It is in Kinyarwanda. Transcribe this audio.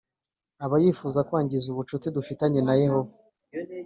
aba yifuza kwangiza ubucuti dufitanye na yehova